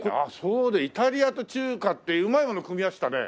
イタリアと中華ってうまいもの組み合わせたね。